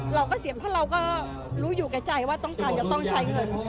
เราก็เสี่ยงเพราะเราก็รู้อยู่แก่ใจว่าต้องการจะต้องใช้เงิน